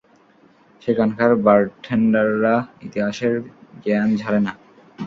সেখানকার বারটেন্ডাররা ইতিহাসের জ্ঞান ঝাড়ে না।